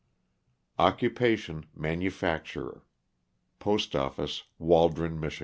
Occupation, manufacturer. Postoffice, Waldron, Mich.